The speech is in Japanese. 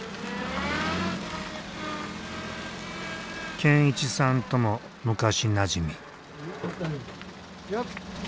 健一さんとも昔なじみ。